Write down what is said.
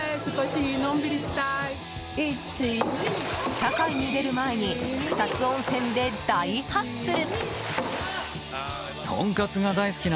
社会に出る前に草津温泉で大ハッスル！